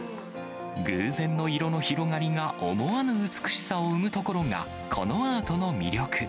偶然の色の広がりが思わぬ美しさを生むところがこのアートの魅力。